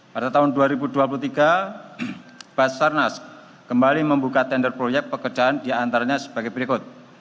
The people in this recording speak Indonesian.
pada tahun dua ribu dua puluh tiga basarnas kembali membuka tender proyek pekerjaan diantaranya sebagai berikut